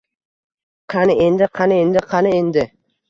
Qani endi, qani endi, qani endi